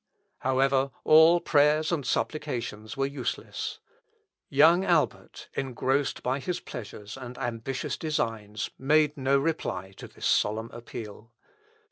However, all prayers and supplications were useless. Young Albert, engrossed by his pleasures and ambitious designs, made no reply to this solemn appeal.